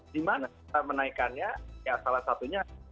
dimana kita menaikkannya ya salah satunya